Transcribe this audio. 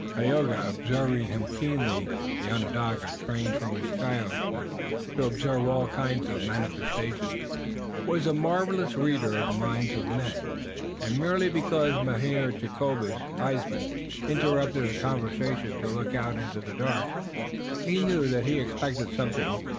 Tayoga observed him keenly. The Onondaga, trained from his childhood to observe all kinds of manifestations, was a marvelous reader of the minds of men, and, merely because Mynheer Jacobus Huysman interrupted a conversation to look out into the dark, he knew that he expected something.